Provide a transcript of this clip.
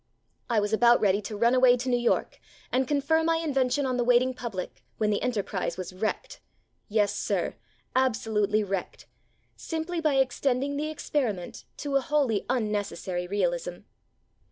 I was about ready to run away to New York and confer my invention on the waiting public when the enterprise was wrecked вҖ" yes, sir, absolutely wrecked вҖ" sim ply by extending the experiment to a wholly unnecessary realism.